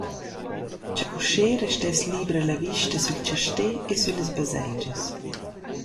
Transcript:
Cha uschè restess libra la vista sül chastè e süllas baselgias.